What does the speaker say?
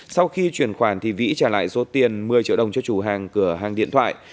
sau khi chuyển khoản vĩ trả lại số tiền một mươi triệu đồng cho chủ hàng cửa hàng điện thoại